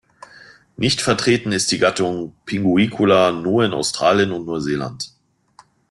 Nicht vertreten ist die Gattung "Pinguicula" nur in Australien und Neuseeland.